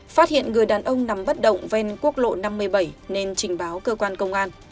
phát hiện người đàn ông nằm bất động ven quốc lộ năm mươi bảy nên trình báo cơ quan công an